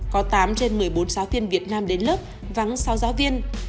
có tám trên một mươi bốn giáo viên việt nam đến lớp vắng sáu giáo viên